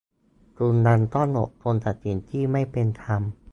คุณยังต้องอดทนกับสิ่งที่ไม่เป็นธรรม